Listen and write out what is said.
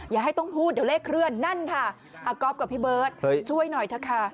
อย่าให้ต้องพูดเดี๋ยวเลขเคลื่อนนั่นค่ะอาก๊อฟกับพี่เบิร์ตช่วยหน่อยเถอะค่ะ